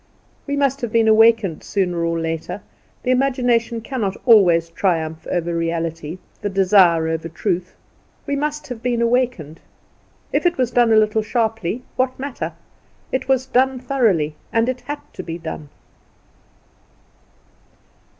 We must have been awakened sooner or later. The imagination cannot always triumph over reality, the desire over truth. We must have been awakened. If it was done a little sharply, what matter? It was done thoroughly, and it had to be done.